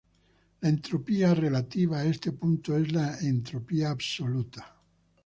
La entropía relativa a este punto es la entropía absoluta.